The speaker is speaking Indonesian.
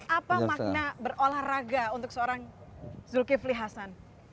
apa makna berolahraga untuk seorang zulkifli hasan